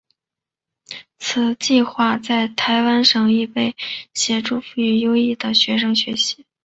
此计画在台湾亦被用在协助资赋优异的学生学习。